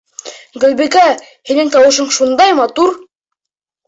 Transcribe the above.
Гөлбикә, һинең тауышың шундай матур!